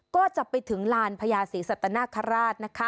ก็จะไปถึงลานพญาสีสัตนาคาราช